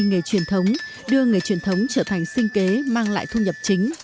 nghề truyền thống đưa nghề truyền thống trở thành sinh kế mang lại thu nhập chính